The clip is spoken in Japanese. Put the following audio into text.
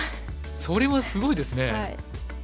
それはすごいですね。